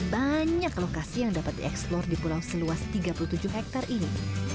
banyak lokasi yang dapat dieksplor di pulau seluas tiga puluh tujuh hektare ini